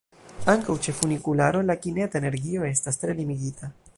Ankaŭ ĉe funikularo la kineta energio estas tre limigita.